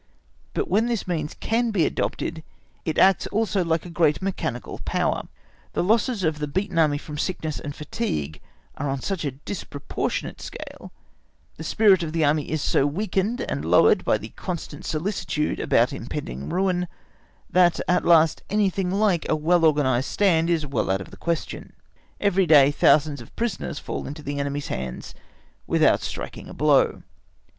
But when this means can be adopted, it acts also like a great mechanical power. The losses of the beaten Army from sickness and fatigue are on such a disproportionate scale, the spirit of the Army is so weakened and lowered by the constant solicitude about impending ruin, that at last anything like a well organised stand is out of the question; every day thousands of prisoners fall into the enemy's hands without striking a blow.